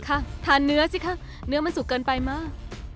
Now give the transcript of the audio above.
ค่ะทานเนื้อสิคะเนื้อมันสุกเกินไปมาก